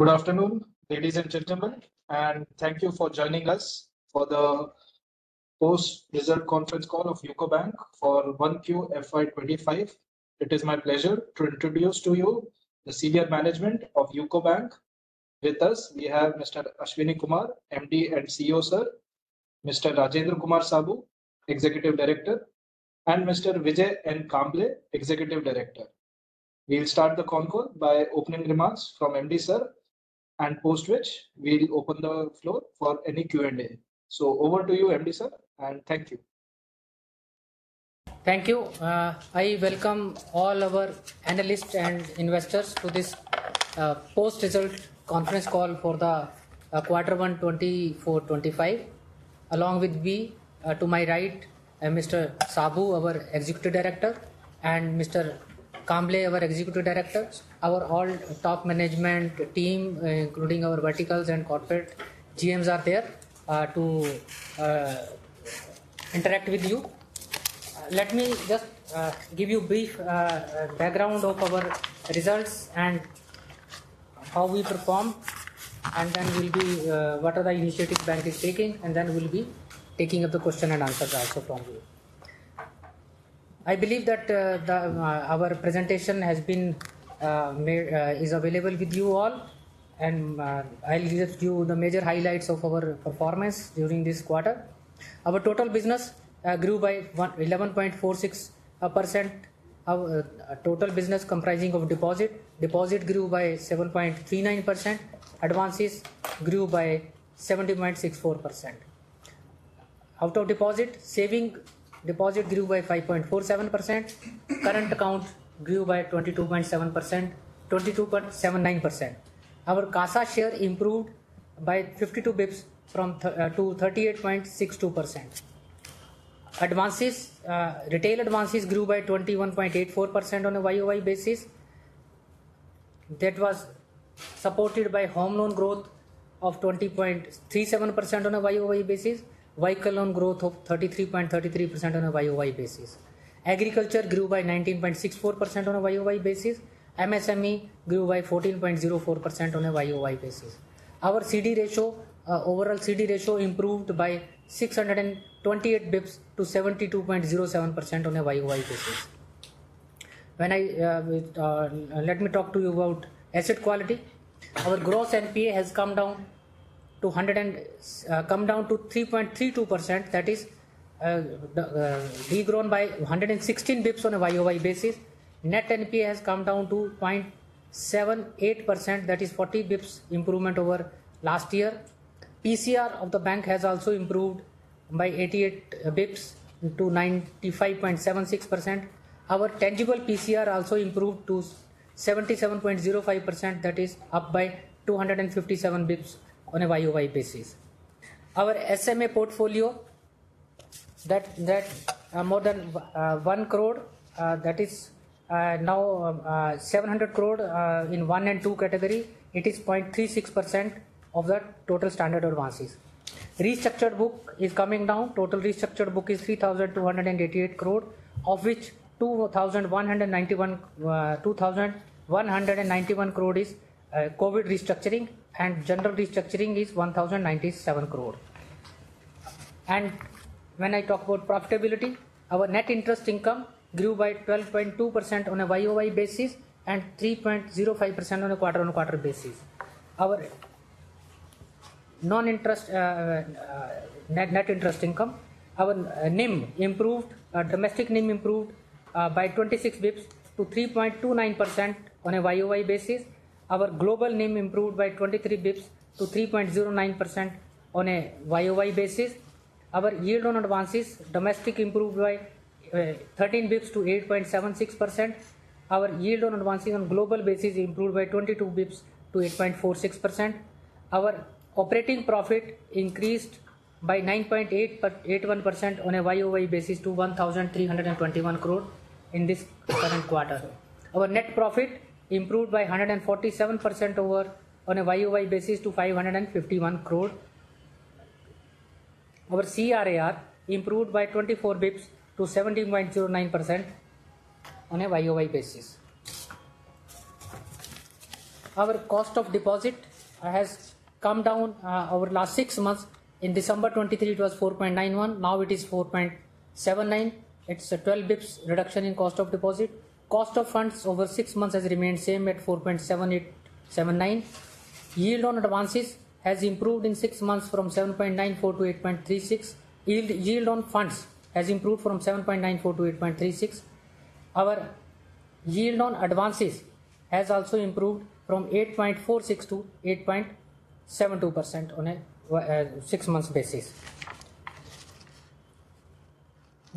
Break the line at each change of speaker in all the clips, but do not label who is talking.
Good afternoon, ladies and gentlemen, and thank you for joining us for the post-results conference call of UCO Bank for 1Q FY 2025. It is my pleasure to introduce to you the senior management of UCO Bank. With us, we have Mr. Ashwani Kumar, MD and CEO, sir; Mr. Rajendra Kumar Saboo, Executive Director; and Mr. Vijay N. Kamble, Executive Director. We will start the conference call by opening remarks from MD, sir, and post which we will open the floor for any Q&A. So, over to you, MD, sir, and thank you.
Thank you. I welcome all our analysts and investors to this post-results conference call for the quarter one 2024-2025. Along with me, to my right, Mr. Saboo, our Executive Director, and Mr. Kamble, our Executive Director. Our all-top management team, including our verticals and corporate GMs, are there to interact with you. Let me just give you a brief background of our results and how we perform, and then we will be what the initiative bank is taking, and then we will be taking up the question and answers also from you. I believe that our presentation has been made available with you all, and I'll give you the major highlights of our performance during this quarter. Our total business grew by 11.46%. Our total business comprising of deposit grew by 7.39%. Advances grew by 70.64%. Out of deposit saving, deposit grew by 5.47%. Current account grew by 22.7%, 22.79%. Our CASA share improved by 52 basis points from 38.62%. Advances, retail advances grew by 21.84% on a YoY basis. That was supported by home loan growth of 20.37% on a YoY basis, vehicle loan growth of 33.33% on a YoY basis. Agriculture grew by 19.64% on a YoY basis. MSME grew by 14.04% on a YoY basis. Our CD ratio, overall CD ratio, improved by 628 basis points to 72.07% on a YoY basis. Let me talk to you about asset quality. Our gross NPA has come down to 3.32%. That is degrown by 116 basis points on a YoY basis. Net NPA has come down to 0.78%. That is 40 basis points improvement over last year. PCR of the bank has also improved by 88 basis points to 95.76%. Our tangible PCR also improved to 77.05%. That is up by 257 basis points on a YoY basis. Our SMA portfolio, that more than 1 crore, that is now 700 crore in one and two category. It is 0.36% of the total standard advances. Restructured book is coming down. Total restructured book is 3,288 crore, of which 2,191 crore is COVID restructuring, and general restructuring is 1,097 crore. And when I talk about profitability, our net interest income grew by 12.2% on a YoY basis and 3.05% on a quarter-on-quarter basis. Our non-interest net interest income, our NIM improved, domestic NIM improved by 26 basis points to 3.29% on a YoY basis. Our global NIM improved by 23 basis points to 3.09% on a YoY basis. Our yield on advances, domestic improved by 13 basis points to 8.76%. Our yield on advances on global basis improved by 22 basis points to 8.46%. Our operating profit increased by 9.81% on a YoY basis to 1,321 crore in this current quarter. Our net profit improved by 147% on a YoY basis to 551 crore. Our CRAR improved by 24 bps to 17.09% on a YoY basis. Our cost of deposit has come down over the last six months. In December 2023, it was 4.91. Now it is 4.79. It's a 12 bps reduction in cost of deposit. Cost of funds over six months has remained same at 4.7879. Yield on advances has improved in six months from 7.94 to 8.36. Yield on funds has improved from 7.94 to 8.36. Our yield on advances has also improved from 8.46 to 8.72% on a six-month basis.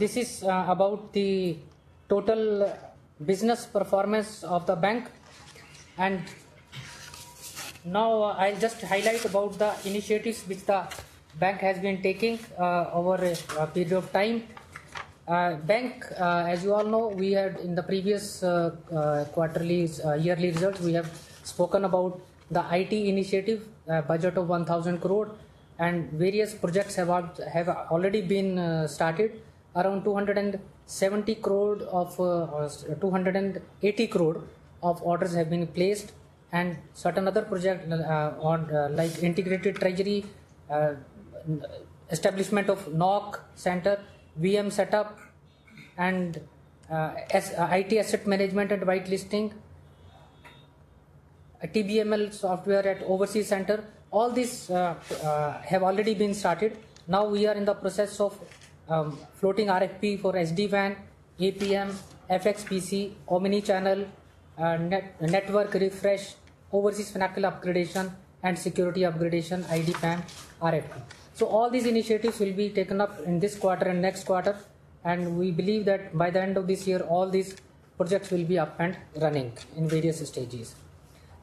This is about the total business performance of the bank. Now I'll just highlight about the initiatives which the bank has been taking over a period of time. Bank, as you all know, we had in the previous quarterly yearly results, we have spoken about the IT initiative, budget of 1,000 crore, and various projects have already been started. Around 270 crore of orders have been placed, and certain other projects like integrated treasury, establishment of NOC center, VM setup, and IT asset management at whitelisting, TBML software at overseas center. All these have already been started. Now we are in the process of floating RFP for SD-WAN, APM, FXPC, Omni-channel, network refresh, overseas Finacle upgradation, and security upgradation, IDPAM, RFP. So all these initiatives will be taken up in this quarter and next quarter, and we believe that by the end of this year, all these projects will be up and running in various stages.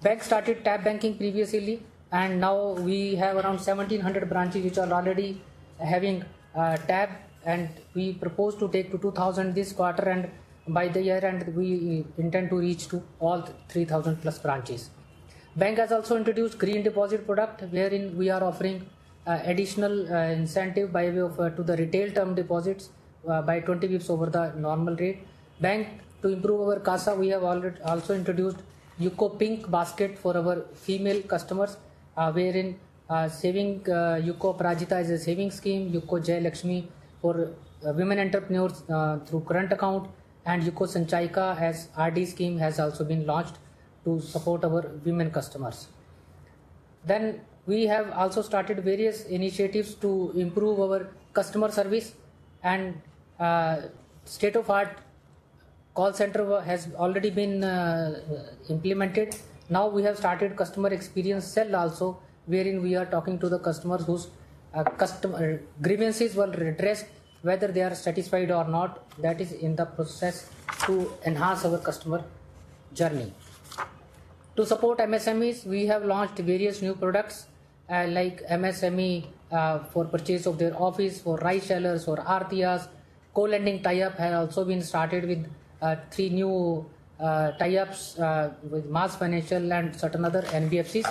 Bank started Tab Banking previously, and now we have around 1,700 branches which are already having Tab Banking, and we propose to take to 2,000 this quarter, and by the year end, we intend to reach to all 3,000 plus branches. Bank has also introduced Green Deposit product, wherein we are offering additional incentive by way of to the retail term deposits by 20 basis points over the normal rate. Bank, to improve our CASA, we have also introduced UCO Pink Basket for our female customers, wherein saving UCO Aparajita as a saving scheme, UCO Jayalakshmi for women entrepreneurs through current account, and UCO Sanchayika as RD scheme has also been launched to support our women customers. Then we have also started various initiatives to improve our customer service, and state-of-the-art call center has already been implemented. Now we have started customer experience cell also, wherein we are talking to the customers whose grievances were redressed, whether they are satisfied or not. That is in the process to enhance our customer journey. To support MSMEs, we have launched various new products like MSME for purchase of their office, for Rice Shellers, for Arthiyas. Co-lending tie-up has also been started with three new tie-ups with MAS Financial and certain other NBFCs.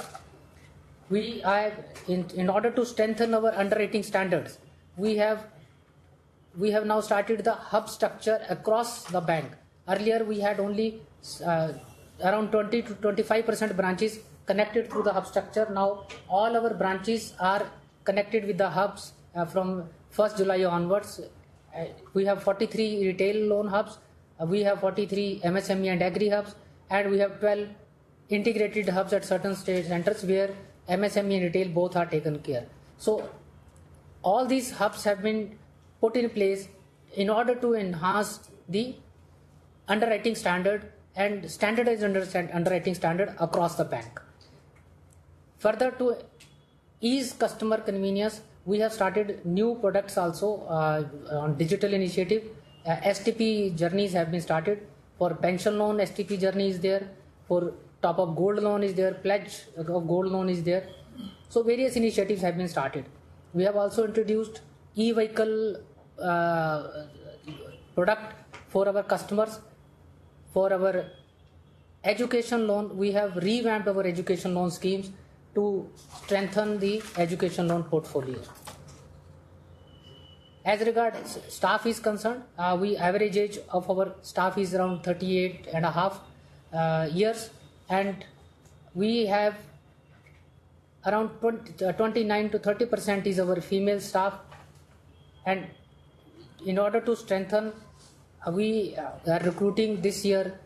In order to strengthen our underwriting standards, we have now started the hub structure across the bank. Earlier, we had only around 20%-25% branches connected through the hub structure. Now all our branches are connected with the hubs from 1st July onwards. We have 43 retail loan hubs. We have 43 MSME and agri hubs, and we have 12 integrated hubs at certain centers where MSME and retail both are taken care. So all these hubs have been put in place in order to enhance the underwriting standard and standardized underwriting standard across the bank. Further, to ease customer convenience, we have started new products also on digital initiative. STP journeys have been started for pension loan. STP journey is there. For top-up gold loan is there. Pledge of gold loan is there. So various initiatives have been started. We have also introduced e-vehicle product for our customers. For our education loan, we have revamped our education loan schemes to strengthen the education loan portfolio. As regards staff is concerned, the average age of our staff is around 38.5 years, and we have around 29%-30% is our female staff. And in order to strengthen, we are recruiting this year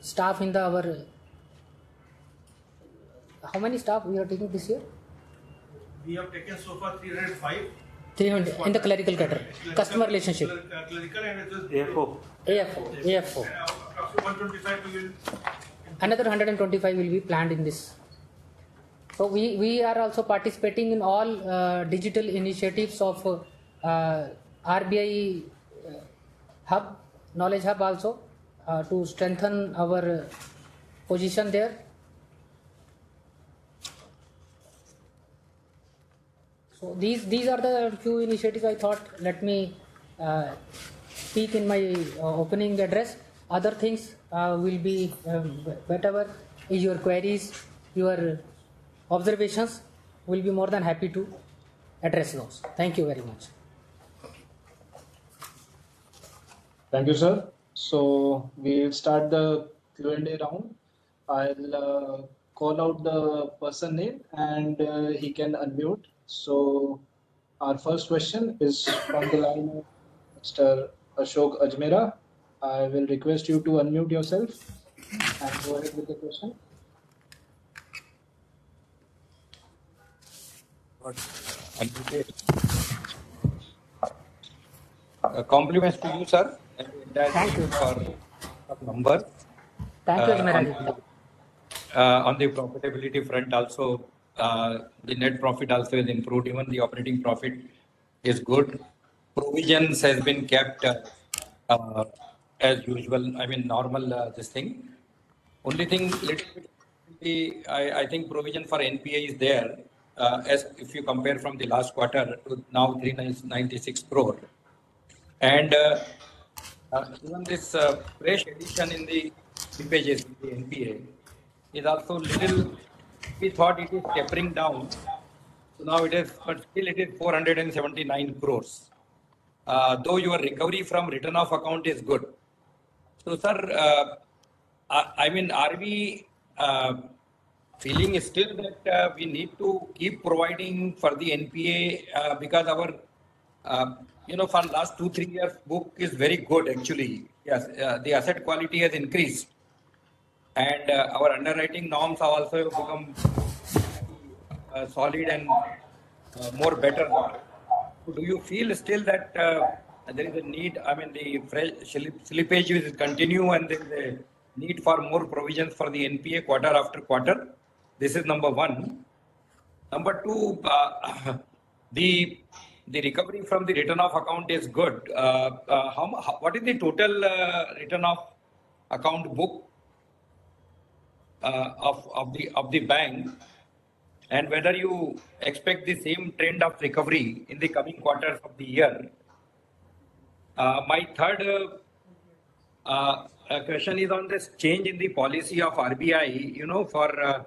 staff in our how many staff we are taking this year?
We have taken so far 305.
305. In the clerical quadrant. Customer relationship.
Clerical and.
AFO.
AFO.
AFO.
Another 125 will be planned in this. We are also participating in all digital initiatives of RBI hub, knowledge hub also to strengthen our position there. So these are the few initiatives I thought. Let me speak in my opening address. Other things will be whatever is your queries, your observations, we'll be more than happy to address those. Thank you very much.
Thank you, sir. So we'll start the Q&A round. I'll call out the person name, and he can unmute. So our first question is from the line of Mr. Ashok Ajmera. I will request you to unmute yourself and go ahead with the question.
Compliments to you, sir. Thank you for the number.
Thank you, Ajmera.
On the profitability front, also, the net profit also has improved. Even the operating profit is good. Provisions have been kept as usual. I mean, normal this thing. Only thing, I think provision for NPA is there. If you compare from the last quarter to now, 396 crore. And even this fresh addition, the slippage in the NPA is also little. We thought it is tapering down. So now it is, but still it is 479 crore. Though your recovery from written-off accounts is good. So sir, I mean, RBI feeling is still that we need to keep providing for the NPA because our last two, three years book is very good, actually. Yes, the asset quality has increased. And our underwriting norms have also become solid and more better. So do you feel still that there is a need? I mean, the slippage will continue and there is a need for more provisions for the NPA quarter after quarter. This is number one. Number two, the recovery from the written-off accounts is good. What is the total written-off account book of the bank? And whether you expect the same trend of recovery in the coming quarters of the year? My third question is on this change in the policy of RBI for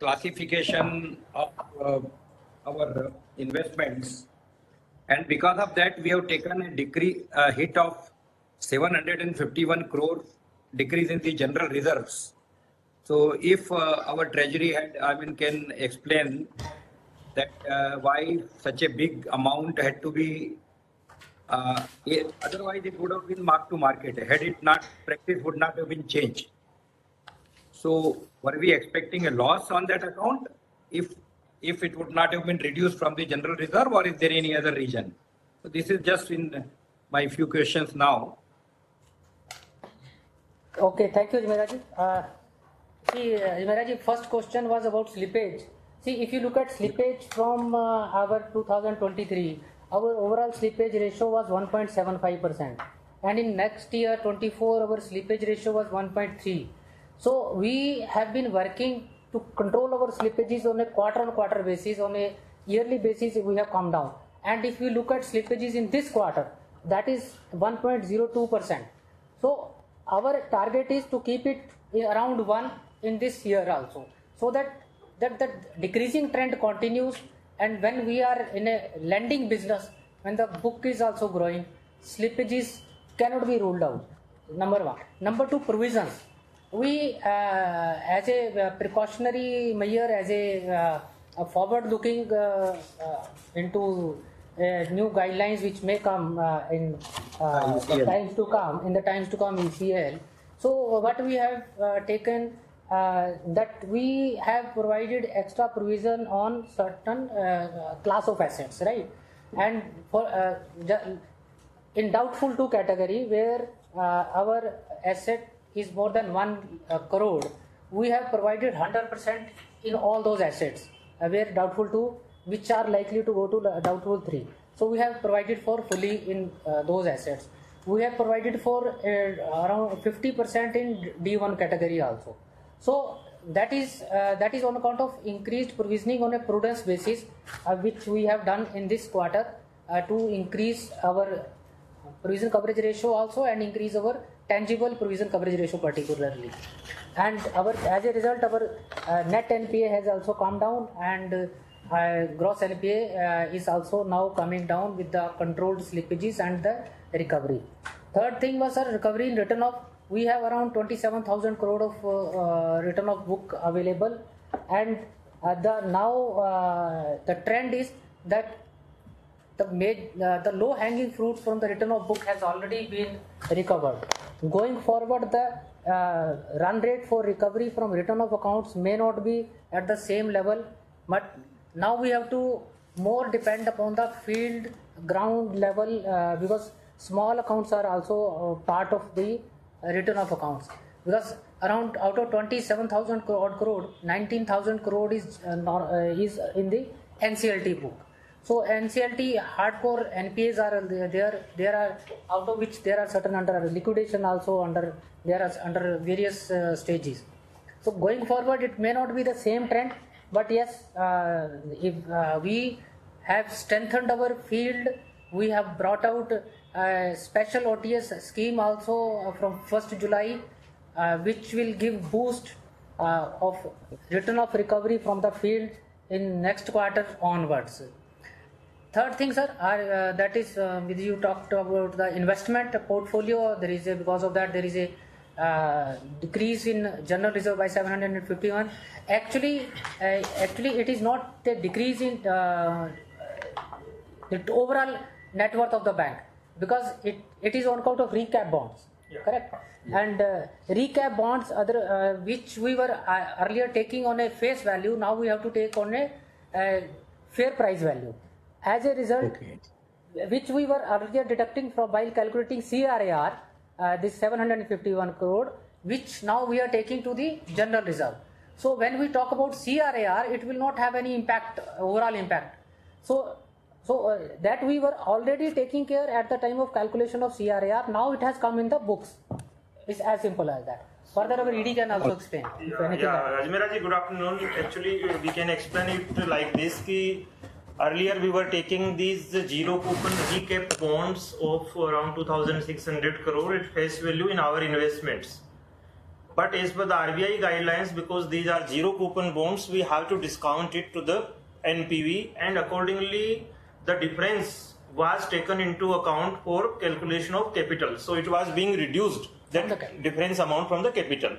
classification of our investments. And because of that, we have taken a hit of 751 crore decrease in the general reserves. So if our treasury head, I mean, can explain that why such a big amount had to be, otherwise it would have been marked to market, had it not, practice would not have been changed. So were we expecting a loss on that account if it would not have been reduced from the general reserve or is there any other reason? So this is just in my few questions now.
Okay, thank you, Ajmera ji. Ajmera ji, first question was about slippage. See, if you look at slippage from our 2023, our overall slippage ratio was 1.75%. And in next year, 2024, our slippage ratio was 1.3%. So we have been working to control our slippages on a quarter-on-quarter basis. On a yearly basis, we have come down. And if you look at slippages in this quarter, that is 1.02%. So, our target is to keep it around 1% in this year also. So that decreasing trend continues. And when we are in a lending business, when the book is also growing, slippages cannot be ruled out. Number one. Number two, provisions. We, as a precautionary measure, as a forward-looking into new guidelines which may come in times to come, in the times to come ECL. So what we have taken, that we have provided extra provision on certain class of assets, right? And in doubtful 2 category, where our asset is more than 1 crore, we have provided 100% in all those assets, where doubtful 2, which are likely to go to doubtful 3. So we have provided for fully in those assets. We have provided for around 50% in D1 category also. So that is on account of increased provisioning on a prudence basis, which we have done in this quarter to increase our provision coverage ratio also and increase our tangible provision coverage ratio particularly. And as a result, our net NPA has also come down and gross NPA is also now coming down with the controlled slippages and the recovery. Third thing was, sir, recovery in written-off, we have around 27,000 crore of written-off book available. And now the trend is that the low hanging fruits from the written-off book has already been recovered. Going forward, the run rate for recovery from written-off accounts may not be at the same level, but now we have to more depend upon the field ground level because small accounts are also part of the written-off accounts. Because around out of 27,000 crore, 19,000 crore is in the NCLT book. So NCLT hardcore NPAs are there, out of which there are certain under liquidation also under various stages. So going forward, it may not be the same trend, but yes, if we have strengthened our field, we have brought out a special OTS scheme also from 1st July, which will give boost of written-off recovery from the field in next quarter onwards. Third thing, sir, that is what you talked about the investment portfolio. There is, because of that, a decrease in general reserve by 751 crore. Actually, it is not a decrease in the overall net worth of the bank because it is on account of recap bonds. Correct? And recap bonds, which we were earlier taking on a face value, now we have to take on a fair price value. As a result, which we were earlier deducting from while calculating CRAR, this 751 crore, which now we are taking to the general reserve. So when we talk about CRAR, it will not have any impact, overall impact. So that we were already taking care at the time of calculation of CRAR, now it has come in the books. It's as simple as that. Furthermore, ED can also explain.
Ajmera ji, good afternoon. Actually, we can explain it like this. Earlier, we were taking these zero coupon recap bonds of around 2,600 crore at face value in our investments. But as per the RBI guidelines, because these are zero coupon bonds, we have to discount it to the NPV. And accordingly, the difference was taken into account for calculation of capital. So it was being reduced, that difference amount from the capital.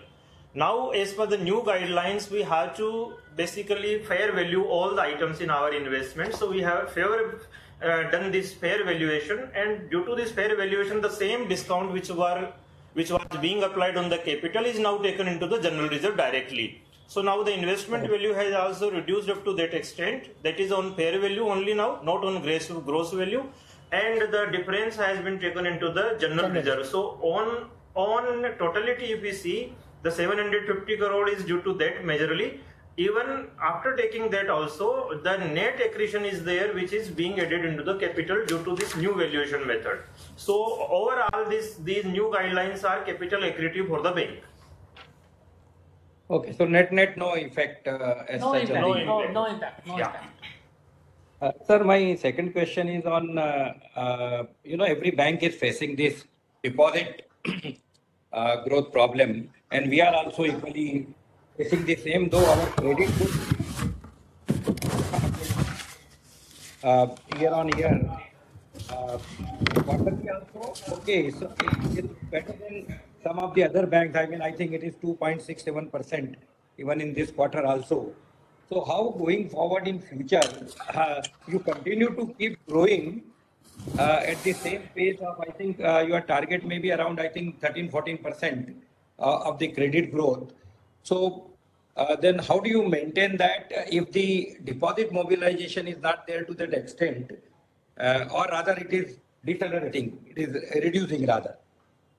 Now, as per the new guidelines, we have to basically fair value all the items in our investment. So we have done this fair valuation. And due to this fair valuation, the same discount which was being applied on the capital is now taken into the general reserve directly. So now the investment value has also reduced up to that extent. That is on fair value only now, not on gross value. The difference has been taken into the general reserve. On totality, if you see, the 750 crore is due to that majorly. Even after taking that also, the net accretion is there, which is being added into the capital due to this new valuation method. Overall, these new guidelines are capital accretive for the bank.
Okay. So net net no effect as such a thing.
No effect.
Sir, my second question is on every bank is facing this deposit growth problem. And we are also equally facing the same, though our credit books year on year. Okay, so it's better than some of the other banks. I mean, I think it is 2.67% even in this quarter also. So how going forward in future, you continue to keep growing at the same pace of, I think your target may be around, I think, 13%-14% of the credit growth. So then how do you maintain that if the deposit mobilization is not there to that extent? Or rather, it is deteriorating. It is reducing, rather.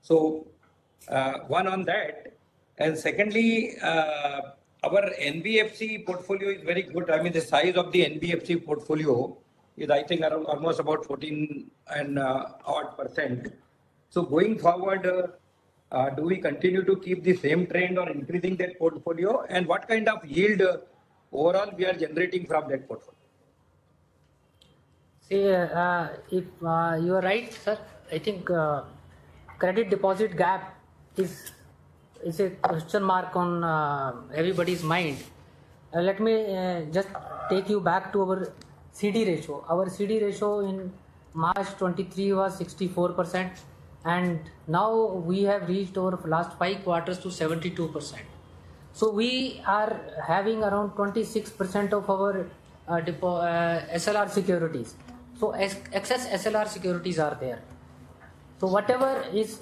So one on that. And secondly, our NBFC portfolio is very good. I mean, the size of the NBFC portfolio is, I think, almost about 14%. So going forward, do we continue to keep the same trend or increasing that portfolio? What kind of yield overall we are generating from that portfolio?
See, if you are right, sir, I think credit deposit gap is a question mark on everybody's mind. Let me just take you back to our CD ratio. Our CD ratio in March 2023 was 64%. And now we have reached our last five quarters to 72%. So we are having around 26% of our SLR securities. So excess SLR securities are there. So whatever is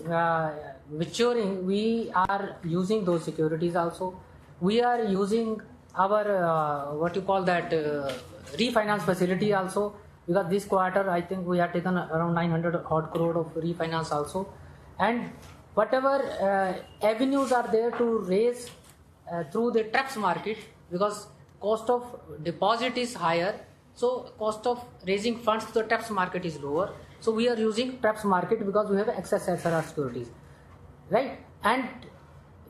maturing, we are using those securities also. We are using our, what you call that, refinance facility also. Because this quarter, I think we have taken around 900 crore of refinance also. And whatever avenues are there to raise through the TREPS market, because cost of deposit is higher, so cost of raising funds to the TREPS market is lower. So we are using TREPS market because we have excess SLR securities. Right?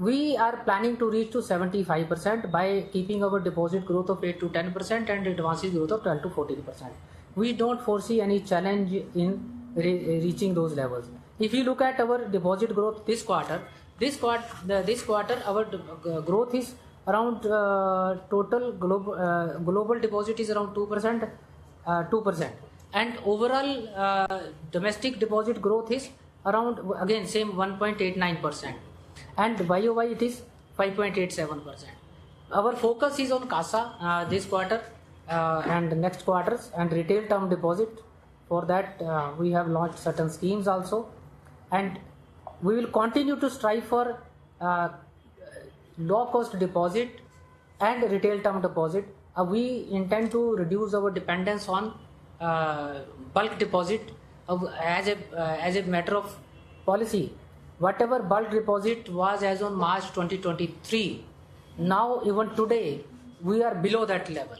We are planning to reach 75% by keeping our deposit growth of 8%-10% and advance growth of 12%-14%. We don't foresee any challenge in reaching those levels. If you look at our deposit growth this quarter, this quarter, our growth is around total global deposit is around 2%. Overall domestic deposit growth is around, again, same 1.89%. And YoY it is 5.87%. Our focus is on CASA this quarter and next quarters and retail term deposit. For that, we have launched certain schemes also. We will continue to strive for low-cost deposit and retail term deposit. We intend to reduce our dependence on bulk deposit as a matter of policy. Whatever bulk deposit was as on March 2023, now even today, we are below that level.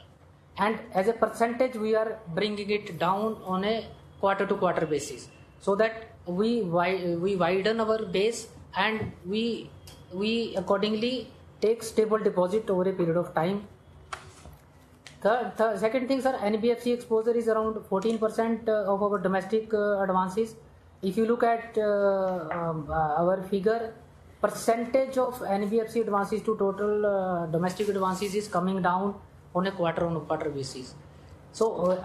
As a percentage, we are bringing it down on a quarter-to-quarter basis. So that we widen our base and we accordingly take stable deposit over a period of time. Second thing, sir, NBFC exposure is around 14% of our domestic advances. If you look at our figure, percentage of NBFC advances to total domestic advances is coming down on a quarter-on-quarter basis. So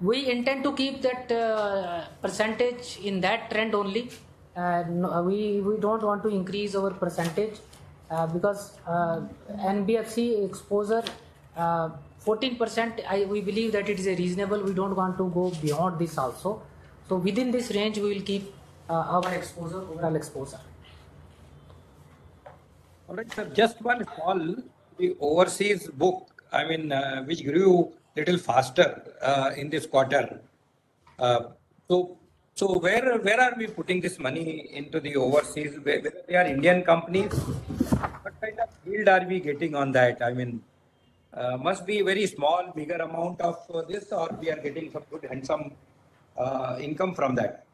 we intend to keep that percentage in that trend only. We don't want to increase our percentage because NBFC exposure 14%, we believe that it is reasonable. We don't want to go beyond this also. So within this range, we will keep our exposure, overall exposure.
All right, sir. Just one. On the overseas book, I mean, which grew a little faster in this quarter. So where are we putting this money into the overseas? There are Indian companies. What kind of yield are we getting on that? I mean, must be a very small, bigger amount of this, or we are getting some good handsome income from that?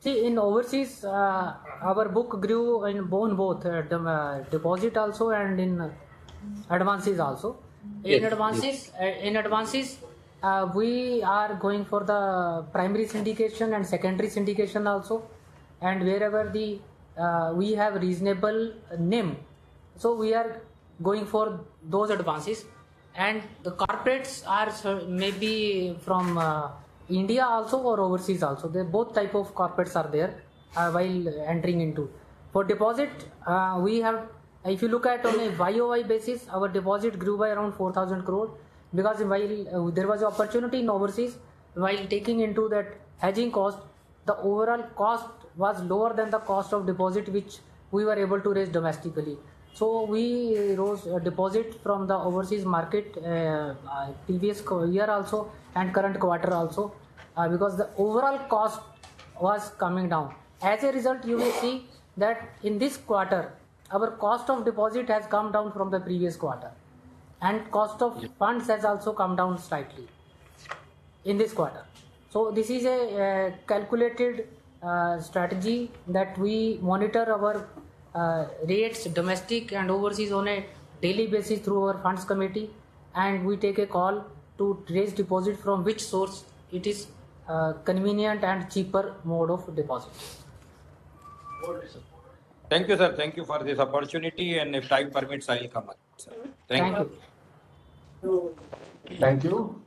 See, in overseas, our book grew in both deposit also and in advances also. In advances, we are going for the primary syndication and secondary syndication also. Wherever we have reasonable NIM, so we are going for those advances. The corporates are maybe from India also or overseas also. Both types of corporates are there while entering into. For deposit, we have, if you look at on a YoY basis, our deposit grew by around 4,000 crore. Because while there was an opportunity in overseas, while taking into that hedging cost, the overall cost was lower than the cost of deposit, which we were able to raise domestically. We rose deposit from the overseas market previous year also and current quarter also. Because the overall cost was coming down. As a result, you will see that in this quarter, our cost of deposit has come down from the previous quarter. Cost of funds has also come down slightly in this quarter. This is a calculated strategy that we monitor our rates, domestic and overseas, on a daily basis through our funds committee. We take a call to raise deposit from which source it is convenient and cheaper mode of deposit.
Thank you, sir. Thank you for this opportunity. If time permits, I'll come up. Thank you.
Thank you.
Thank you.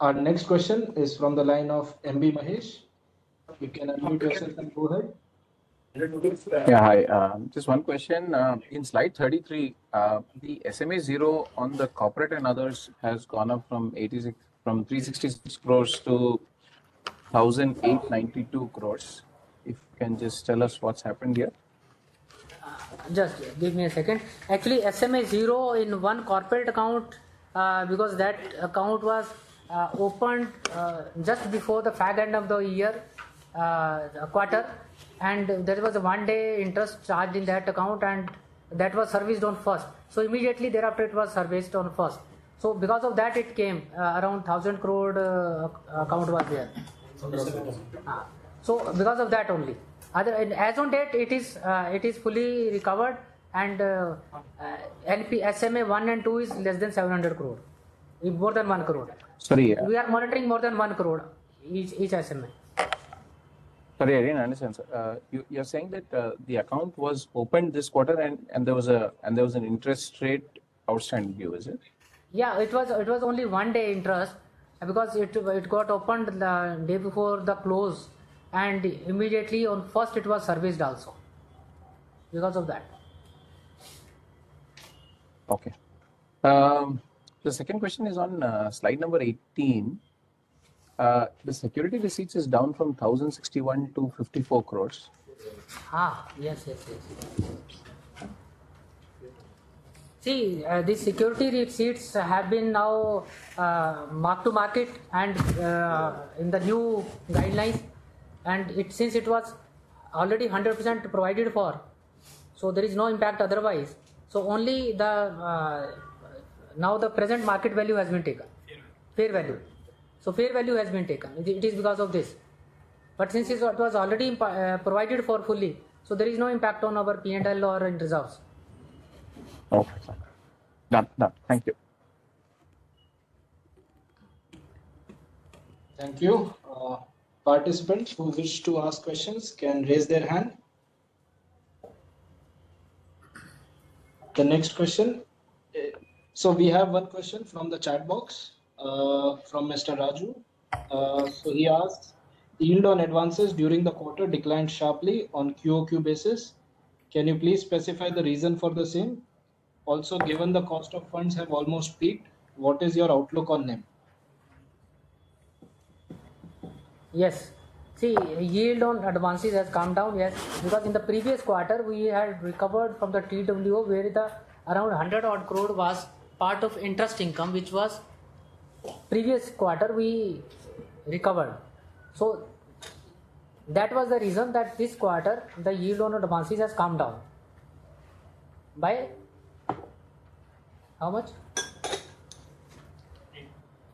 Our next question is from the line of M B Mahesh. You can unmute yourself and go ahead.
Yeah, hi. Just one question. In slide 33, the SMA zero on the corporate and others has gone up from 366 crore to 1,892 crore. If you can just tell us what's happened here?
Just give me a second. Actually, SMA zero in one corporate account because that account was opened just before the fag end of the year, quarter. And there was a 1-day interest charge in that account, and that was serviced on first. So immediately thereafter, it was serviced on first. So because of that, it came around 1,000 crore account was there. So because of that only. As on date, it is fully recovered. And SMA one and two is less than 700 crore. More than 1 crore.
Sorry.
We are monitoring more than 1 crore each SMA.
Sorry, I didn't understand, sir. You're saying that the account was opened this quarter and there was an interest rate outstanding due, is it?
Yeah, it was only one-day interest because it got opened the day before the close. Immediately on first, it was serviced also because of that.
Okay. The second question is on slide number 18. The security receipts is down from 1,061 crores to 54 crores.
Yes, yes, yes. See, these security receipts have been now marked to market and in the new guidelines. Since it was already 100% provided for, so there is no impact otherwise. So only now the present market value has been taken. Fair value. So fair value has been taken. It is because of this. But since it was already provided for fully, so there is no impact on our P&L or in reserves.
Okay, sir. Done. Done. Thank you. Thank you.
Participants who wish to ask questions can raise their hand. The next question. We have one question from the chat box from Mr. Raju. He asks, "Yield on advances during the quarter declined sharply on QoQ basis. Can you please specify the reason for the same? Also, given the cost of funds have almost peaked, what is your outlook on NIM?
Yes. See, yield on advances has come down, yes. Because in the previous quarter, we had recovered from the TWO, where around 100 crore was part of interest income, which was previous quarter we recovered. So that was the reason that this quarter, the yield on advances has come down. By how much?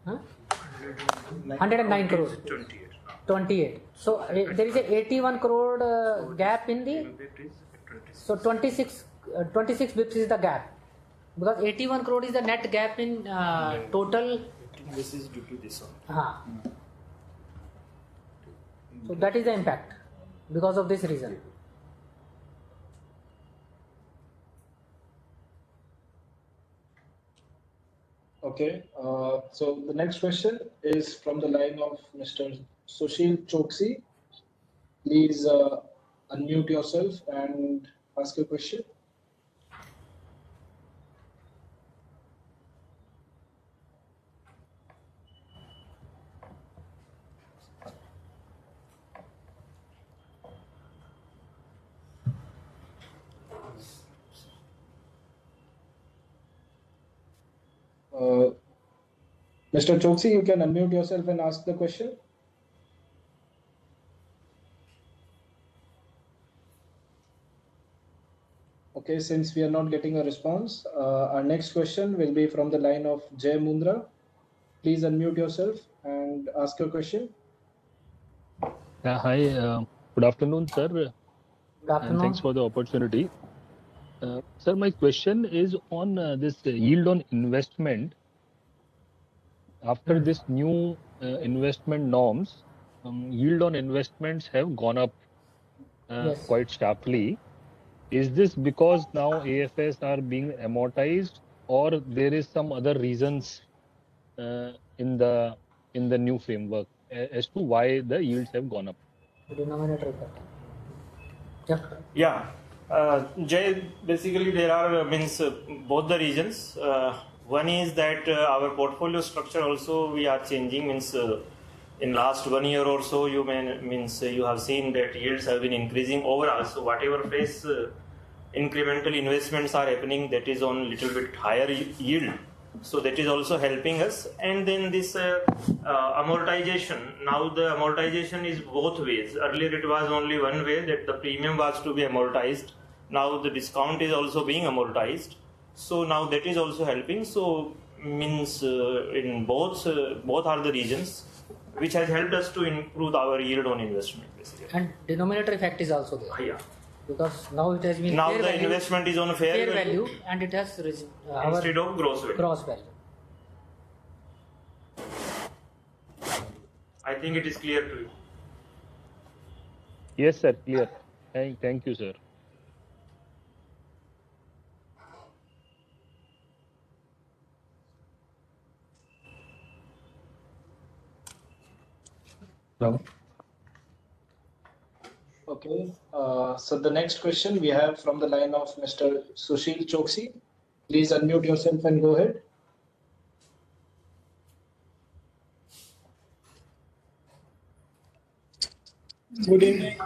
109.
109 crores.
28.
28. So there is an 81 crore gap in the so 26 bps is the gap. Because 81 crore is the net gap in total.
This is due to this one.
That is the impact because of this reason.
Okay. So the next question is from the line of Mr. Sushil Choksey. Please unmute yourself and ask your question. Mr. Choksey, you can unmute yourself and ask the question. Okay. Since we are not getting a response, our next question will be from the line of Jai Mundhra. Please unmute yourself and ask your question.
Hi. Good afternoon, sir.
Good afternoon.
Thanks for the opportunity. Sir, my question is on this yield on investment. After this new investment norms, yield on investments have gone up quite sharply. Is this because now AFS are being amortized, or there are some other reasons in the new framework as to why the yields have gone up?
Denominator effect. Yeah.
Yeah. Jai, basically, there are both the reasons. One is that our portfolio structure also we are changing. Means in last one year or so, you have seen that yields have been increasing overall. So whatever phase incremental investments are happening, that is on a little bit higher yield. So that is also helping us. And then this amortization, now the amortization is both ways. Earlier, it was only one way that the premium was to be amortized. Now the discount is also being amortized. So now that is also helping. So means in both are the reasons which has helped us to improve our yield on investment.
Denominator effect is also there.
Yeah.
Because now it has been.
Now the investment is on fair value.
Fair value, and it has our.
Instead of gross value.
Gross value.
I think it is clear to you.
Yes, sir. Clear. Thank you, sir.
Okay. The next question we have from the line of Mr. Sushil Choksey. Please unmute yourself and go ahead.
Good evening.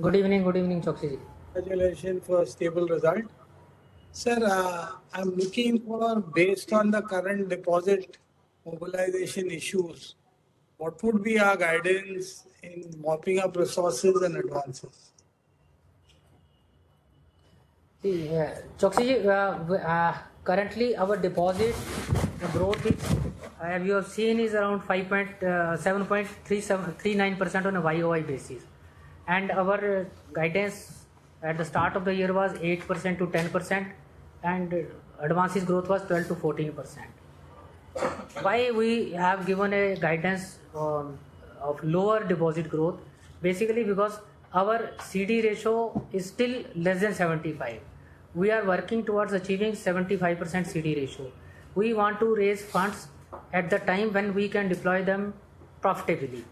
Good evening. Good evening, Choksey.
Congratulations for a stable result. Sir, I'm looking for based on the current deposit mobilization issues, what would be our guidance in mopping up resources and advances?
Choksey, currently our deposit growth, as you have seen, is around 7.39% on a YoY basis. Our guidance at the start of the year was 8%-10%, and advances growth was 12%-14%. Why we have given a guidance of lower deposit growth? Basically, because our CD ratio is still less than 75%. We are working towards achieving 75% CD ratio. We want to raise funds at the time when we can deploy them profitably.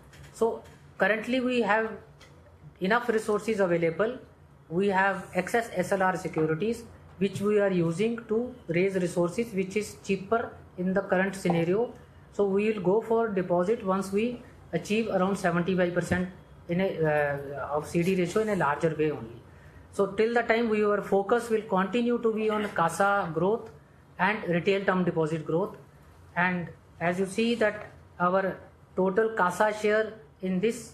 Currently, we have enough resources available. We have excess SLR securities, which we are using to raise resources, which is cheaper in the current scenario. We will go for deposit once we achieve around 75% CD ratio in a larger way only. Till the time we were focused will continue to be on CASA growth and retail term deposit growth. As you see that our total CASA share in this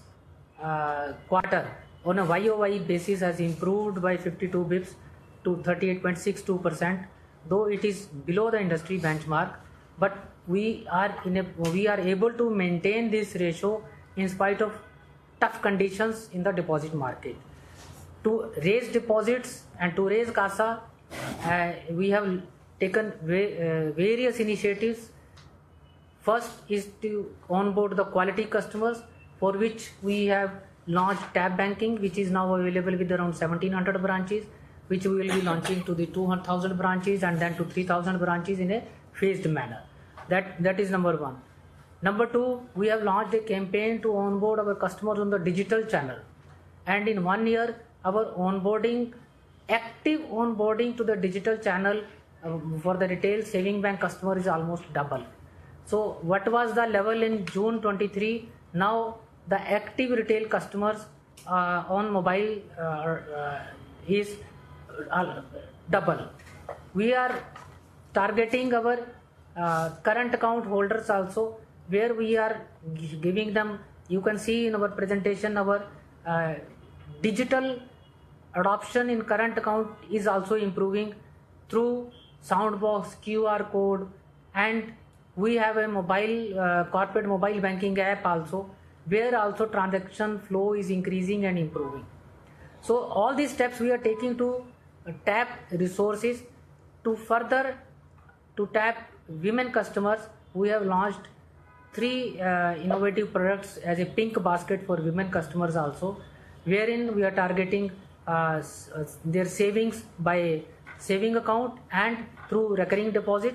quarter on a YoY basis has improved by 52 basis points to 38.62%, though it is below the industry benchmark. But we are able to maintain this ratio in spite of tough conditions in the deposit market. To raise deposits and to raise CASA, we have taken various initiatives. First is to onboard the quality customers for which we have launched Tab Banking, which is now available with around 1,700 branches, which we will be launching to the 2,000 branches and then to 3,000 branches in a phased manner. That is number one. Number two, we have launched a campaign to onboard our customers on the digital channel. And in one year, our onboarding, active onboarding to the digital channel for the retail savings bank customer is almost double. So what was the level in June 2023? Now the active retail customers on mobile is double. We are targeting our current account holders also, where we are giving them. You can see in our presentation, our digital adoption in current account is also improving through sound box, QR Code. And we have a mobile corporate mobile banking app also, where also transaction flow is increasing and improving. So all these steps we are taking to tap resources to further to tap women customers. We have launched 3 innovative products as a Pink Basket for women customers also, wherein we are targeting their savings by savings account and through recurring deposit.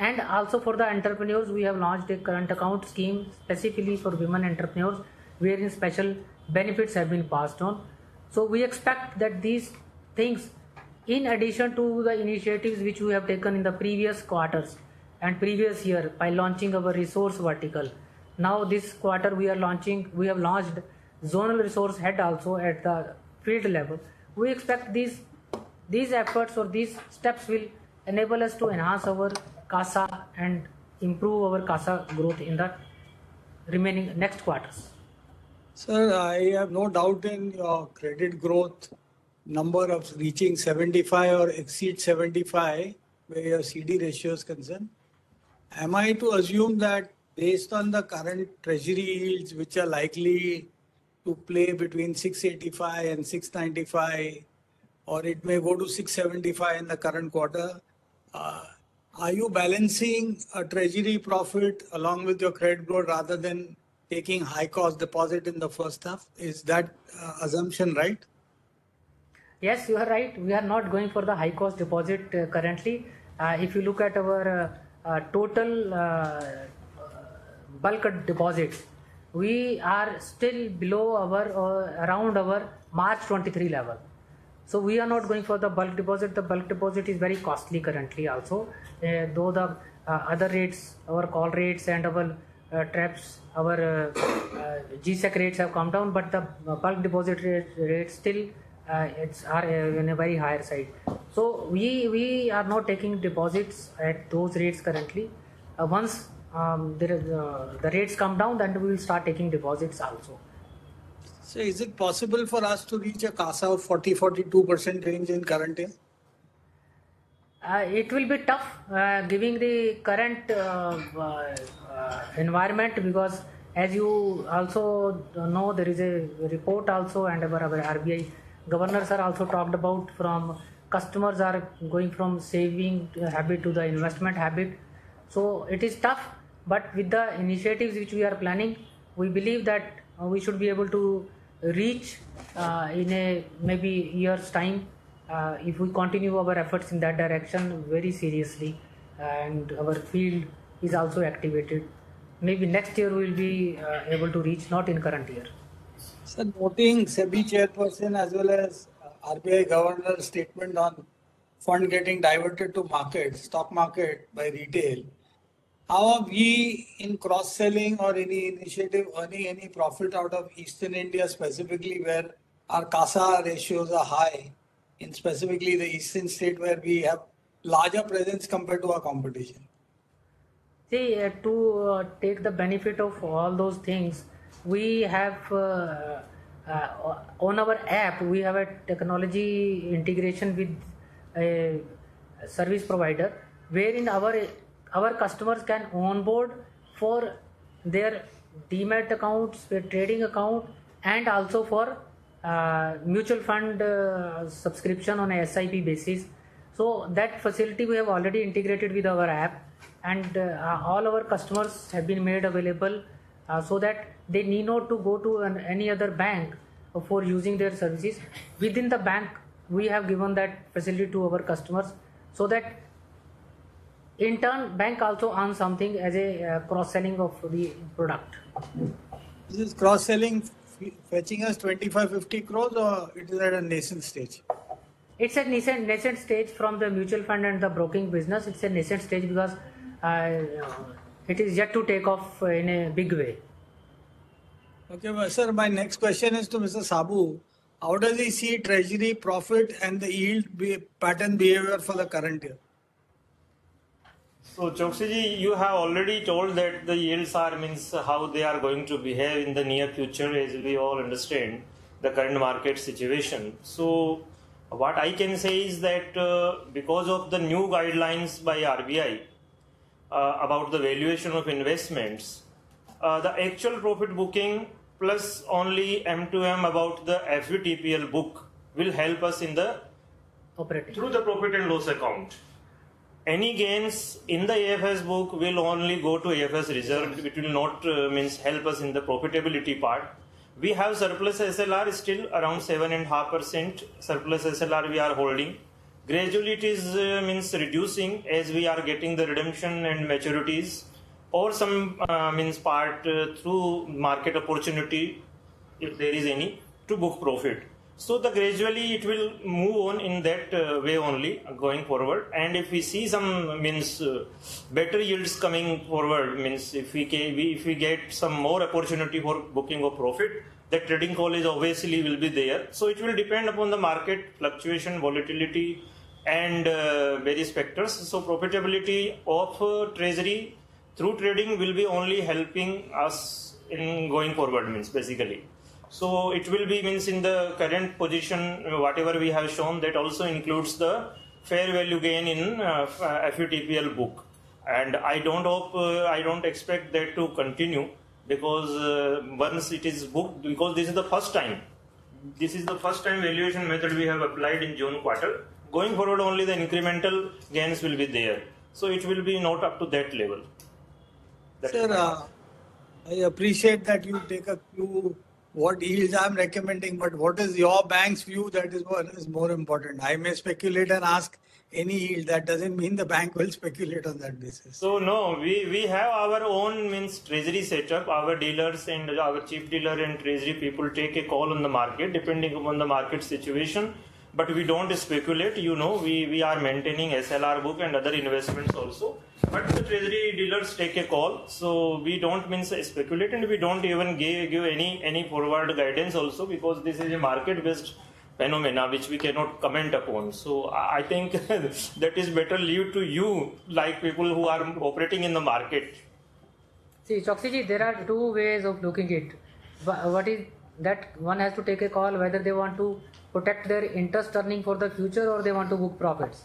And also, for the entrepreneurs, we have launched a current account scheme specifically for women entrepreneurs, wherein special benefits have been passed on. We expect that these things, in addition to the initiatives which we have taken in the previous quarters and previous year by launching our resource vertical, now this quarter we are launching, we have launched zonal resource head also at the field level. We expect these efforts or these steps will enable us to enhance our CASA and improve our CASA growth in the remaining next quarters.
Sir, I have no doubt in your credit growth number of reaching 75 or exceed 75 where your CD ratio is concerned. Am I to assume that based on the current treasury yields, which are likely to play between 685 and 695, or it may go to 675 in the current quarter, are you balancing a treasury profit along with your credit growth rather than taking high-cost deposit in the first half? Is that assumption, right?
Yes, you are right. We are not going for the high-cost deposit currently. If you look at our total bulk deposit, we are still below around our March 2023 level. So we are not going for the bulk deposit. The bulk deposit is very costly currently also. Though the other rates, our call rates and our TREPS, our G-Sec rates have come down, but the bulk deposit rates still are in a very higher side. So we are not taking deposits at those rates currently. Once the rates come down, then we will start taking deposits also.
Sir, is it possible for us to reach a CASA of 40%-42% range in current year?
It will be tough given the current environment because, as you also know, there is a report also and our RBI governors are also talked about from customers are going from saving habit to the investment habit. So it is tough. But with the initiatives which we are planning, we believe that we should be able to reach in a maybe years' time if we continue our efforts in that direction very seriously. And our field is also activated. Maybe next year we will be able to reach, not in current year.
Sir, noting SEBI chairperson as well as RBI governor statement on fund getting diverted to market, stock market by retail, how are we in cross-selling or any initiative earning any profit out of Eastern India specifically where our CASA ratios are high in specifically the Eastern state where we have larger presence compared to our competition?
See, to take the benefit of all those things, we have on our app, we have a technology integration with a service provider wherein our customers can onboard for their Demat accounts, their trading account, and also for mutual fund subscription on an SIP basis. So that facility we have already integrated with our app. And all our customers have been made available so that they need not to go to any other bank for using their services. Within the bank, we have given that facility to our customers so that in turn, bank also earns something as a cross-selling of the product.
Is cross-selling fetching us 25 crore-50 crore or it is at a nascent stage?
It's a nascent stage from the mutual fund and the broking business. It's a nascent stage because it is yet to take off in a big way.
Okay. Sir, my next question is to Mr. Saboo. How does he see treasury profit and the yield pattern behavior for the current year?
So Choksey ji, you have already told that the yields are means how they are going to behave in the near future as we all understand the current market situation. So what I can say is that because of the new guidelines by RBI about the valuation of investments, the actual profit booking plus only M2M about the FVTPL book will help us in the through the profit and loss account. Any gains in the AFS book will only go to AFS reserve. It will not means help us in the profitability part. We have surplus SLR still around 7.5% surplus SLR we are holding. Gradually, it is reducing as we are getting the redemption and maturities or some part through market opportunity if there is any to book profit. So gradually, it will move on in that way only going forward. And if we see some better yields coming forward, if we get some more opportunity for booking of profit, that trading call is obviously will be there. So it will depend upon the market fluctuation, volatility, and various factors. So profitability of treasury through trading will be only helping us in going forward basically. So it will be in the current position, whatever we have shown, that also includes the fair value gain in FVTPL book. I don't hope, I don't expect that to continue because once it is booked, because this is the first time, this is the first time valuation method we have applied in June quarter. Going forward, only the incremental gains will be there. So it will be not up to that level.
Sir, I appreciate that you take a few what yields I'm recommending, but what is your bank's view that is more important? I may speculate and ask any yield. That doesn't mean the bank will speculate on that basis.
So no, we have our own means treasury setup. Our dealers and our chief dealer and treasury people take a call on the market depending upon the market situation. But we don't speculate. You know we are maintaining SLR book and other investments also. But the treasury dealers take a call. So we don't mean to speculate and we don't even give any forward guidance also because this is a market-based phenomenon which we cannot comment upon. So I think that is better left to you, like people who are operating in the market.
See, Choksey, there are two ways of looking at it. What is that one has to take a call whether they want to protect their interest earning for the future or they want to book profits.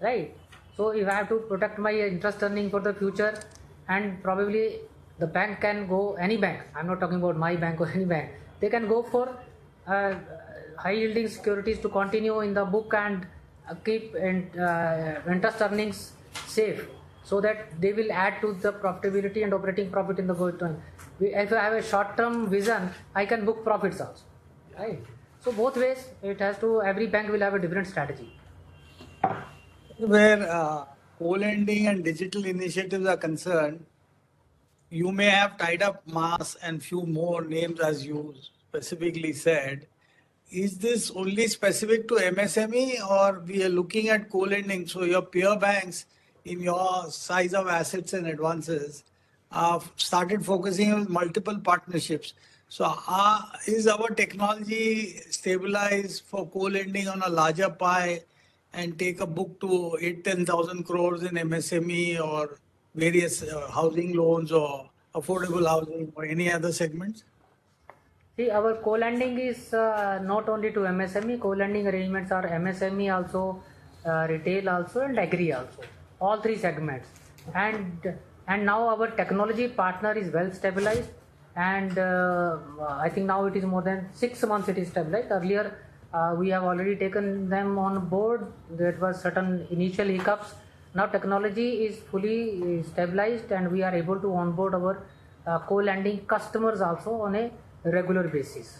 Right? So if I have to protect my interest earning for the future and probably the bank can go any bank, I'm not talking about my bank or any bank, they can go for high-yielding securities to continue in the book and keep interest earnings safe so that they will add to the profitability and operating profit in the going time. If I have a short-term vision, I can book profits also. Right? So both ways, it has to every bank will have a different strategy.
Where co-lending and digital initiatives are concerned, you may have tied up MAS and few more names as you specifically said. Is this only specific to MSME or we are looking at co-lending? So your peer banks in your size of assets and advances have started focusing on multiple partnerships. So is our technology stabilized for co-lending on a larger pie and take a book to 8,000 crore-10,000 crore in MSME or various housing loans or affordable housing or any other segments?
See, our co-lending is not only to MSME. Co-lending arrangements are MSME also, retail also, and agri also. All three segments. Now our technology partner is well stabilized. I think now it is more than six months it is stabilized. Earlier, we have already taken them on board. There were certain initial hiccups. Now technology is fully stabilized and we are able to onboard our co-lending customers also on a regular basis.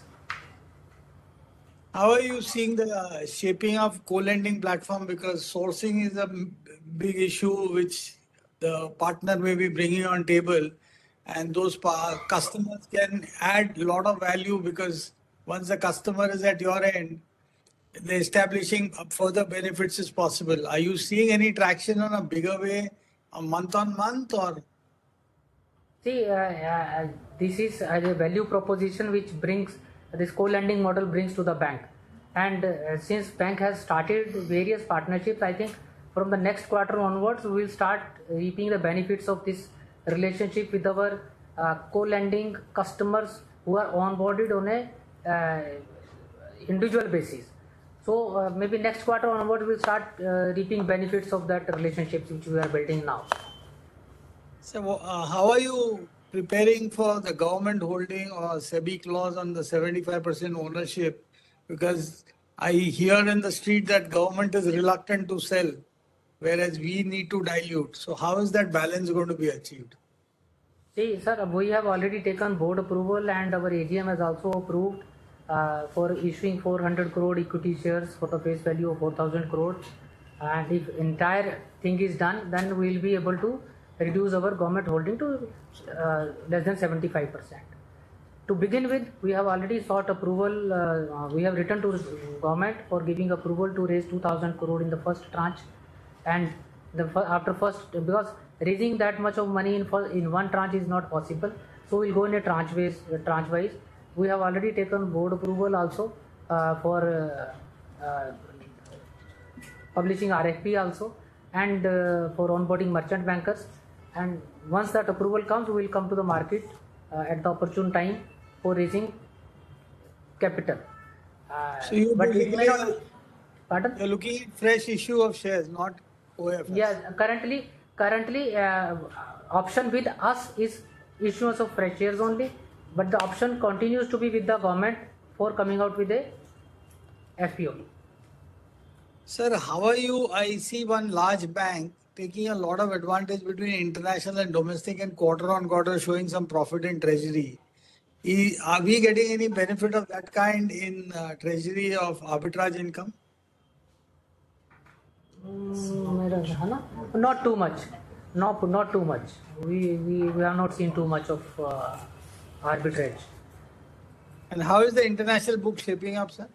How are you seeing the shaping of co-lending platform? Because sourcing is a big issue which the partner may be bringing on the table. And those customers can add a lot of value because once the customer is at your end, the establishing further benefits is possible. Are you seeing any traction on a bigger way, month-on-month or?
See, this is a value proposition which this co-lending model brings to the bank. Since the bank has started various partnerships, I think from the next quarter onwards, we will start reaping the benefits of this relationship with our co-lending customers who are onboarded on an individual basis. Maybe next quarter onwards, we will start reaping benefits of that relationship which we are building now.
Sir, how are you preparing for the government holding or SEBI clause on the 75% ownership? Because I hear in the street that government is reluctant to sell, whereas we need to dilute. So how is that balance going to be achieved?
See, sir, we have already taken board approval and our AGM has also approved for issuing 400 crore equity shares for the face value of 4,000 crores. And if the entire thing is done, then we will be able to reduce our government holding to less than 75%. To begin with, we have already sought approval. We have written to the government for giving approval to raise 2,000 crore in the first tranche. And after first, because raising that much of money in one tranche is not possible, so we will go in a tranche wise. We have already taken board approval also for publishing RFP also and for onboarding merchant bankers. And once that approval comes, we will come to the market at the opportune time for raising capital.
You are looking at fresh issue of shares, not OFS?
Yes. Currently, option with us is issuance of fresh shares only. But the option continues to be with the government for coming out with a FPO.
Sir, how are you? I see one large bank taking a lot of advantage between international and domestic and quarter-over-quarter showing some profit in treasury. Are we getting any benefit of that kind in treasury of arbitrage income?
Not too much. Not too much. We have not seen too much of arbitrage.
How is the international book shaping up, sir?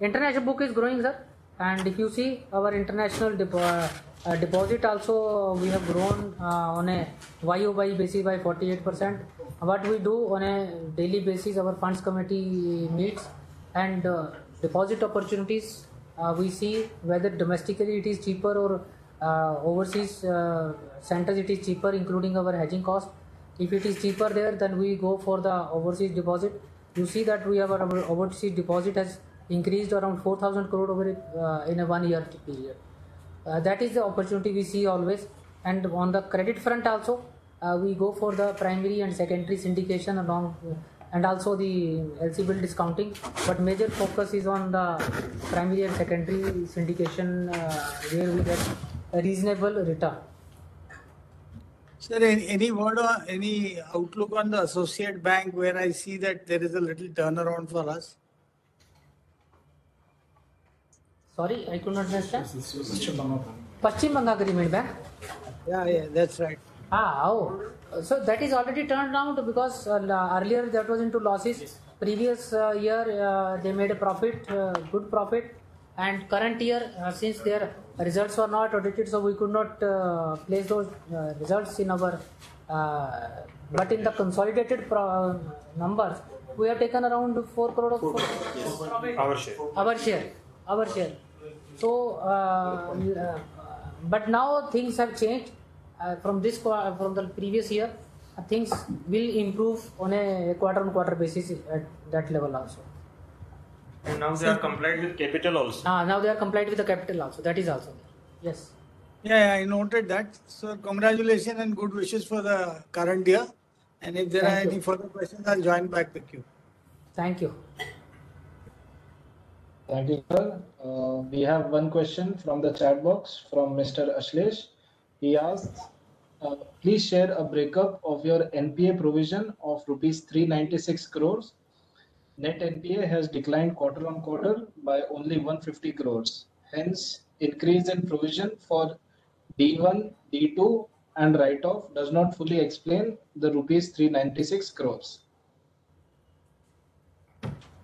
International book is growing, sir. If you see our international deposit also, we have grown on a YoY basis by 48%. What we do on a daily basis, our funds committee meets and deposit opportunities, we see whether domestically it is cheaper or overseas centers, it is cheaper, including our hedging cost. If it is cheaper there, then we go for the overseas deposit. You see that we have our overseas deposit has increased around 4,000 crore over in a one-year period. That is the opportunity we see always. On the credit front also, we go for the primary and secondary syndication along and also the LC Bill Discounting. But major focus is on the primary and secondary syndication where we get a reasonable return.
Sir, any word or any outlook on the associate bank where I see that there is a little turnaround for us?
Sorry, I could not understand.
This is yours.
West Bengal agreement?
Yeah, yeah, that's right.
So that is already turned around because earlier that was into losses. Previous year, they made a profit, good profit. And current year, since their results were not audited, so we could not place those results in our but in the consolidated numbers, we have taken around 4 crore of.
Our share.
Our share. Our share. So but now things have changed from the previous year. Things will improve on a quarter-on-quarter basis at that level also.
Now they are compliant with capital also.
Now they are compliant with the capital also. That is also. Yes.
Yeah, I noted that. Congratulations and good wishes for the current year. If there are any further questions, I'll join back with you.
Thank you.
Thank you, sir. We have one question from the chat box from Mr. Ashlesh. He asks, please share a breakup of your NPA provision of rupees 396 crore. Net NPA has declined quarter-on-quarter by only 150 crore. Hence, increase in provision for D1, D2, and write-off does not fully explain the rupees 396 crore.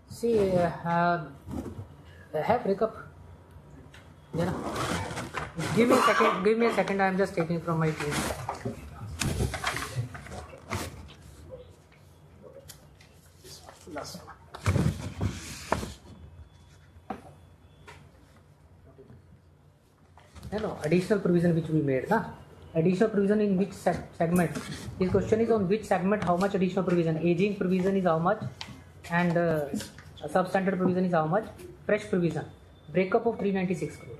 See, I have a breakup. Give me a second. Give me a second. I'm just taking from my team. Hello. Additional provision which we made? Additional provision in which segment? This question is on which segment, how much additional provision? Aging provision is how much? And substandard provision is how much? Fresh provision. Breakup of INR 396 crore.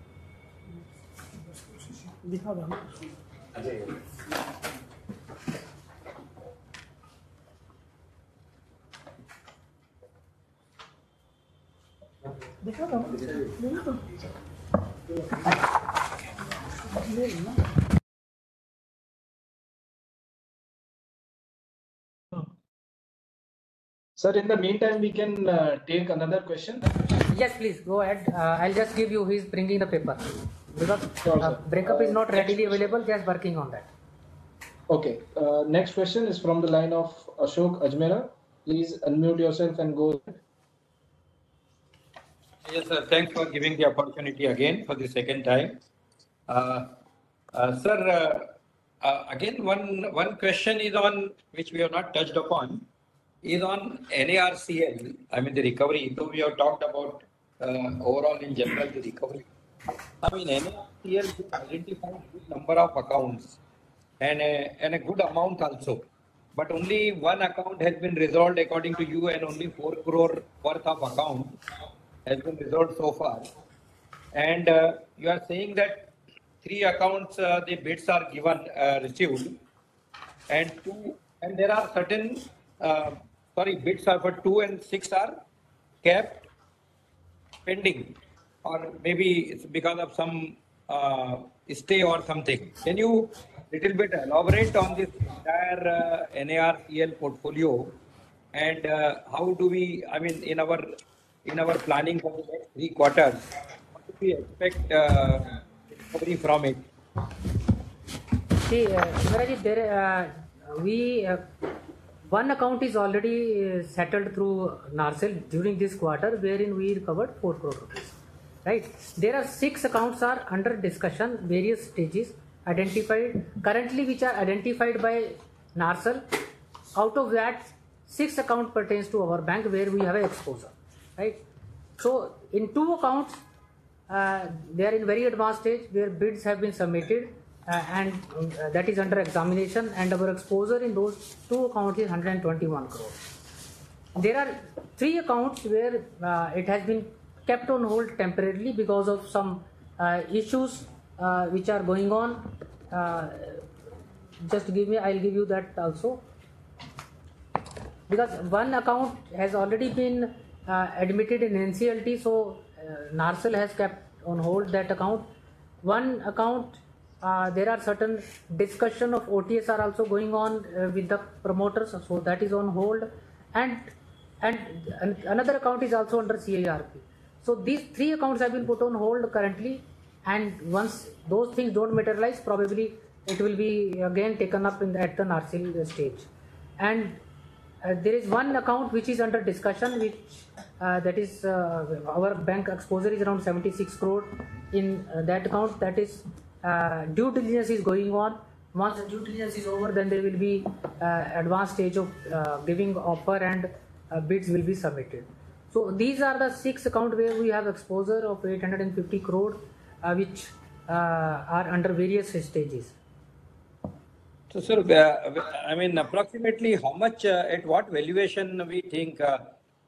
Sir, in the meantime, we can take another question.
Yes, please. Go ahead. I'll just give you his bringing the paper. Breakup is not readily available. Just working on that.
Okay. Next question is from the line of Ashok Ajmera. Please unmute yourself and go.
Yes, sir. Thanks for giving the opportunity again for the second time. Sir, again, one question is on which we have not touched upon is on NARCL. I mean, the recovery too we have talked about overall in general the recovery. I mean, NARCL identified a good number of accounts and a good amount also. But only one account has been resolved according to you and only 4 crore worth of account has been resolved so far. And you are saying that 3 accounts, the bids are given, received. And there are certain, sorry, bids are for 2 and 6 are kept pending or maybe it's because of some stay or something. Can you a little bit elaborate on this entire NARCL portfolio and how do we, I mean, in our planning for the next three quarters, what do we expect recovery from it? See, one account is already settled through NARCL during this quarter wherein we recovered 4 crore rupees. Right? There are six accounts under discussion, various stages identified currently which are identified by NARCL. Out of that, six accounts pertain to our bank where we have an exposure. Right? So in two accounts, they are in very advanced stage where bids have been submitted and that is under examination. And our exposure in those two accounts is 121 crore. There are three accounts where it has been kept on hold temporarily because of some issues which are going on. Just give me, I'll give you that also. Because one account has already been admitted in NCLT, so NARCL has kept on hold that account. One account, there are certain discussions of OTS are also going on with the promoters, so that is on hold. And another account is also under CIRP. These three accounts have been put on hold currently. Once those things don't materialize, probably it will be again taken up at the NARCL stage. There is one account which is under discussion, which that is our bank exposure is around 76 crore in that account. That is due diligence is going on. Once due diligence is over, then there will be advanced stage of giving offer and bids will be submitted. These are the six accounts where we have exposure of 850 crore which are under various stages. Sir, I mean, approximately how much at what valuation we think?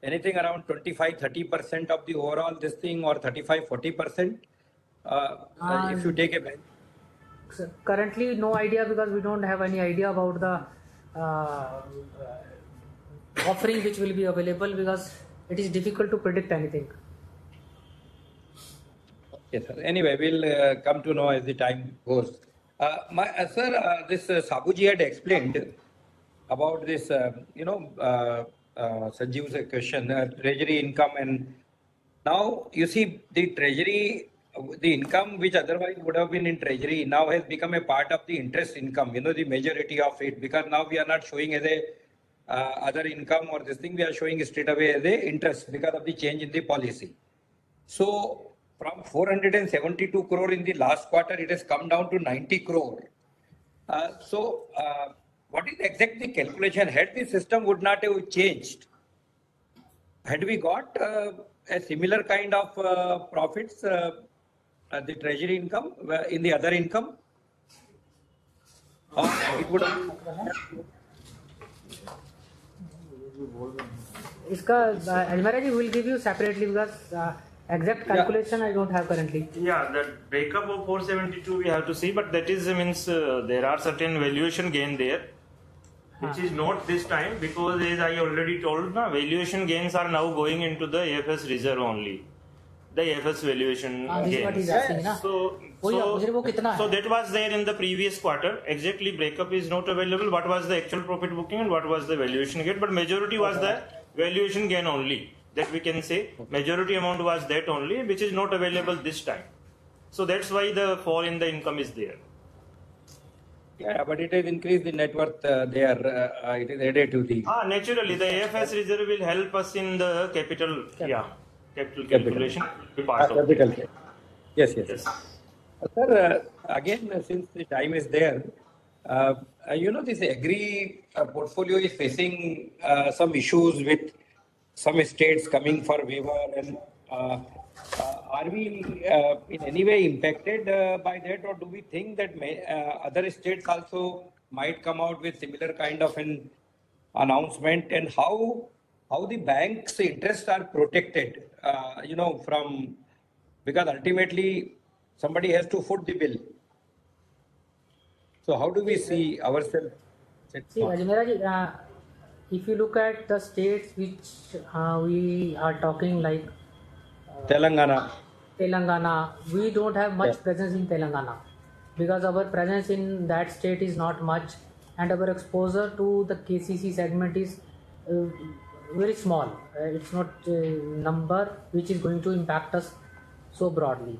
Anything around 25%-30% of the overall this thing or 35%-40% if you take a bank?
Currently, no idea because we don't have any idea about the offering which will be available because it is difficult to predict anything.
Okay, sir. Anyway, we'll come to know as the time goes. Sir, this Saboo ji had explained about this, you know, Sushil's question, treasury income. And now you see the treasury, the income which otherwise would have been in treasury now has become a part of the interest income, you know, the majority of it. Because now we are not showing as other income or this thing, we are showing straight away as an interest because of the change in the policy. So from 472 crore in the last quarter, it has come down to 90 crore. So what is exactly the calculation? Had the system would not have changed, had we got a similar kind of profits, the treasury income in the other income?
This is Ajmera. Will give you separately because the exact calculation I don't have currently.
Yeah, that breakup of 472 we have to see. But that means there are certain valuation gains there, which is not this time because, as I already told, valuation gains are now going into the AFS reserve only, the AFS valuation gains. That was there in the previous quarter. Exact breakup is not available. What was the actual profit booking and what was the valuation gain? Majority was the valuation gain only that we can say. Majority amount was that only, which is not available this time. That's why the fall in the income is there.
Yeah, but it has increased the net worth there. It is added to the.
Naturally, the AFS reserve will help us in the capital calculation.
Yes, yes.
Sir, again, since the time is there, you know, this agri portfolio is facing some issues with some states coming for waiver. And are we in any way impacted by that, or do we think that other states also might come out with similar kind of an announcement? And how the bank's interests are protected, you know, from because ultimately somebody has to foot the bill. So how do we see ourselves?
See, Ajmera, if you look at the states which we are talking like.
Telangana.
Telangana, we don't have much presence in Telangana because our presence in that state is not much. Our exposure to the KCC segment is very small. It's not a number which is going to impact us so broadly.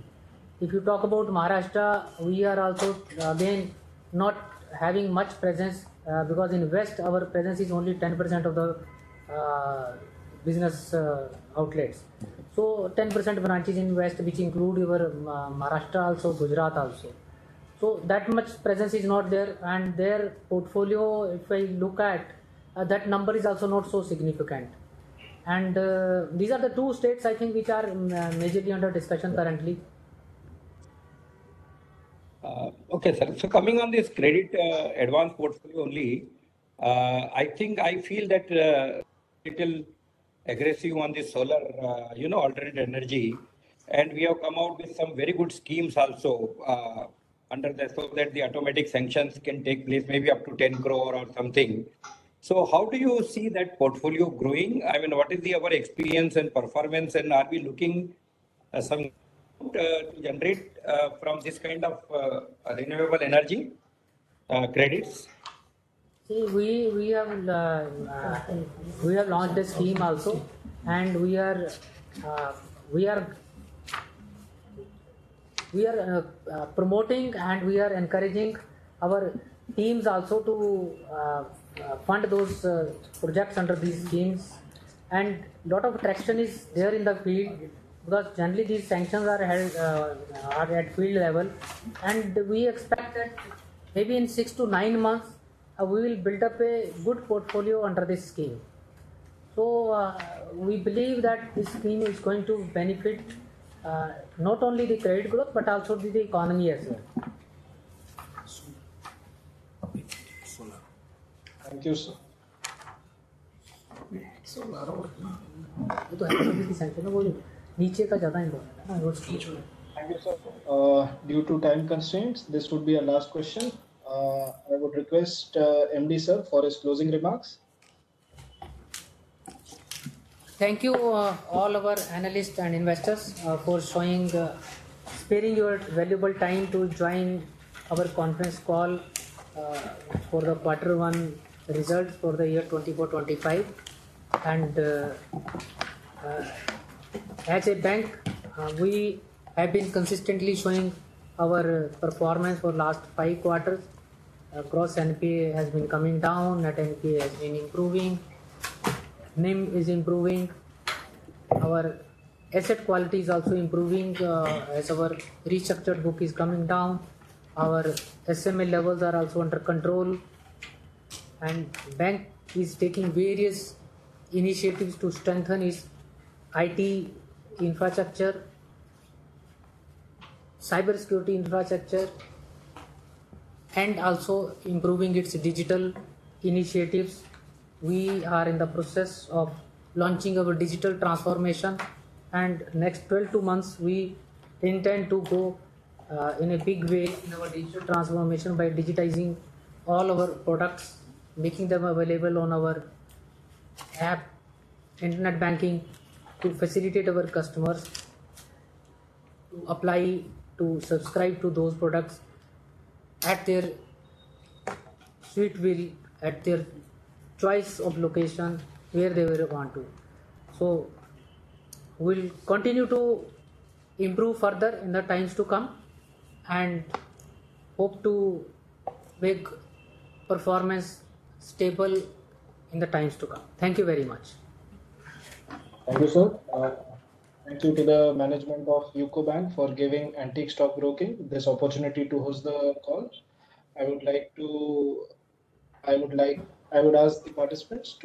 If you talk about Maharashtra, we are also again not having much presence because in West, our presence is only 10% of the business outlets. 10% branches in West, which include your Maharashtra also, Gujarat also. That much presence is not there. Their portfolio, if I look at that number, is also not so significant. These are the two states, I think, which are majorly under discussion currently.
Okay, sir. So coming on this credit advance portfolio only, I think I feel that a little aggressive on the solar, you know, alternative energy. And we have come out with some very good schemes also under that so that the automatic sanctions can take place maybe up to 10 crore or something. So how do you see that portfolio growing? I mean, what is our experience and performance? And are we looking at some to generate from this kind of renewable energy credits?
See, we have launched a scheme also. We are promoting and we are encouraging our teams also to fund those projects under these schemes. A lot of traction is there in the field because generally these sanctions are at field level. We expect that maybe in 6 months-9 months, we will build up a good portfolio under this scheme. We believe that this scheme is going to benefit not only the credit growth but also the economy as well.
Thank you, sir.
Thank you, sir.
Thank you, sir.
Thank you, sir.
Due to time constraints, this would be a last question. I would request MD sir for his closing remarks.
Thank you, all our analysts and investors, for sparing your valuable time to join our conference call for the quarter one results for the year 2024-2025. As a bank, we have been consistently showing our performance for the last five quarters. Gross NPA has been coming down. Net NPA has been improving. NIM is improving. Our asset quality is also improving as our restructured book is coming down. Our SMA levels are also under control. The bank is taking various initiatives to strengthen its IT infrastructure, cyber security infrastructure, and also improving its digital initiatives. We are in the process of launching our digital transformation. Next 12 to months, we intend to go in a big way in our digital transformation by digitizing all our products, making them available on our app, internet banking, to facilitate our customers to apply to subscribe to those products at their suitability, at their choice of location where they want to. So, we will continue to improve further in the times to come and hope to make performance stable in the times to come. Thank you very much.
Thank you, sir. Thank you to the management of UCO Bank for giving Antique Stock Broking this opportunity to host the call. I would like to ask the participants.